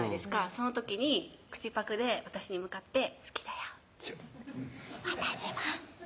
その時に口パクで私に向かって「好きだよ」「私も！」